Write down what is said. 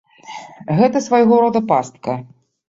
Гэта свайго рода пастка.